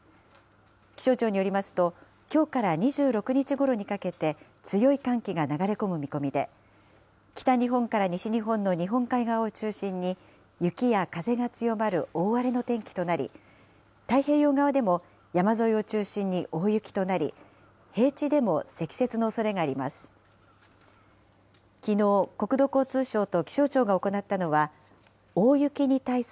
気象庁によりますと、きょうから２６日ごろにかけて、強い寒気が流れ込む見込みで、北日本から西日本の日本海側を中心に、雪や風が強まる大荒れの天気となり、太平洋側でも、山沿いを中心に大雪となり、平地でも積雪のおそれがあります。